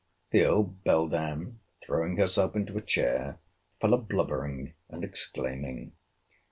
The old beldam, throwing herself into a chair, fell a blubbering and exclaiming.